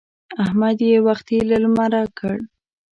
احمد يې وختي له لمره کړ.